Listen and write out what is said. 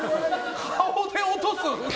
顔で落とす！